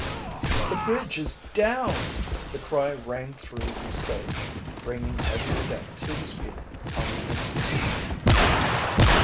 "The bridge is down!" The cry rang through the stage, bringing every cadet to his feet on the instant.